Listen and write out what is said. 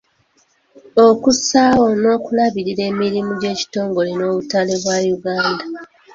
Okussaawo n'okulabirira emirimu gy'ekitongole n'obutale bwa Uganda.